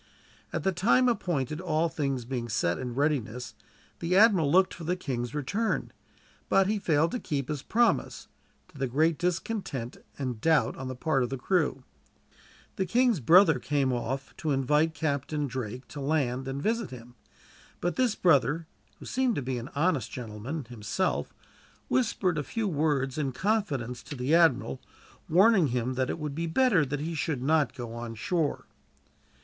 At the time appointed, all things being set in readiness, the admiral looked for the king's return; but he failed to keep his promise, to the great discontent and doubt on the part of the crew. The king's brother came off, to invite Captain Drake to land and visit him; but this brother, who seemed to be an honest gentleman, himself, whispered a few words in confidence to the admiral, warning him that it would be better that he should not go on shore.